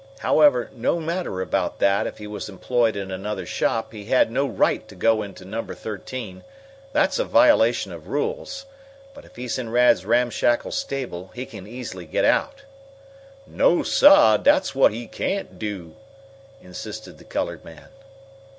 "However, no matter about that, if he was employed in another shop, he had no right to go into Number Thirteen. That's a violation of rules. But if he's in Rad's ramshackle stable he can easily get out." "No, sah, dat's whut he can't do!" insisted the colored man.